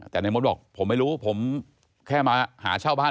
แต่ในมดบอกผมไม่รู้ผมแค่มาหาเช่าบ้าน